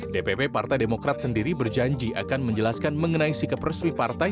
dpp partai demokrat sendiri berjanji akan menjelaskan mengenai sikap resmi partai